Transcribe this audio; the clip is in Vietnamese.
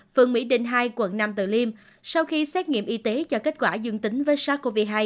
phường mỹ đình hai quận năm từ liêm sau khi xét nghiệm y tế cho kết quả dương tính với sars cov hai